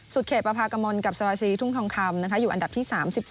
เขตประพากมลกับสมาซีทุ่งทองคำอยู่อันดับที่๓๗